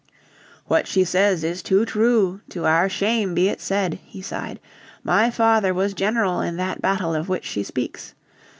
"What she says is too true, to our shame be it said," he sighed. "My father was general in that battle of which she speaks.